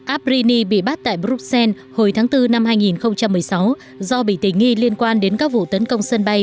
abrini bị bắt tại bruxelles hồi tháng bốn năm hai nghìn một mươi sáu do bị tình nghi liên quan đến các vụ tấn công sân bay